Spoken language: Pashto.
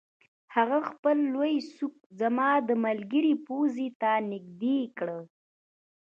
هغه خپل لوی سوک زما د ملګري پوزې ته نږدې کړ